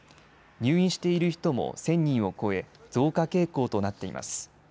入院している人も１０００人を超え、増加傾向となっています。